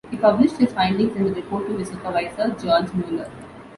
He published his findings in a report to his supervisor, George Mueller.